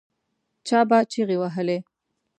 چا به چیغې وهلې.